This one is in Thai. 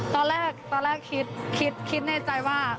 ตอนแรกตอนแรกคิดคิดในใจว่า